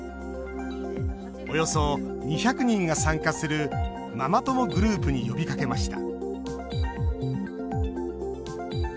およそ２００人が参加するママ友グループに呼びかけました。